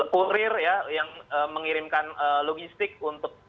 kurir ya yang mengirimkan logistik untuk baik itu e commerce